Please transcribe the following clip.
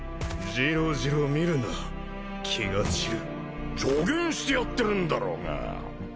じろじろ見るな気が散る助言してやってるんだろうが